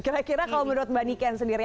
kira kira kalau menurut mbak niken sendiri